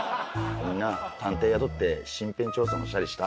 探偵雇って身辺調査もしたりした。